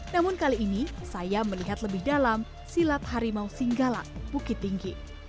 namun kali ini saya melihat lebih dalam silat harimau singgala bukit tinggi